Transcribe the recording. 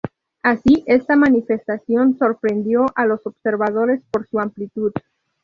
Así, esta manifestación sorprendió a los observadores por su amplitud.